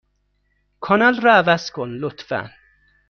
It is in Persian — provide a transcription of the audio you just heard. کانال را عوض کن، لطفا.